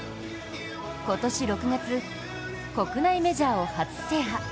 今年６月、国内メジャーを初制覇。